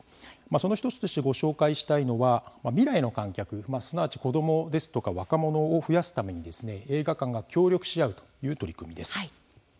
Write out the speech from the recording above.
その１つとしてご紹介したいのは未来の観客すなわち子どもですとか若者を増やすためにですね映画館が協力し合うという取り組みです。